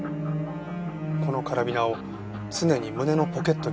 このカラビナを常に胸のポケットに入れて。